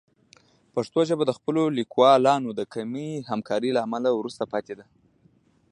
پښتو ژبه د خپلو لیکوالانو د کمې همکارۍ له امله وروسته پاتې ده.